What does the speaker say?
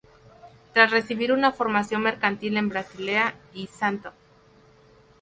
Tras recibir una formación mercantil en Basilea y St.